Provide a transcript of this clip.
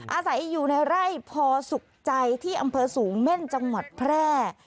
อาศัยอยู่ในไร่พอสุขใจที่อำเภอสูงเม่นจังหวัดแพร่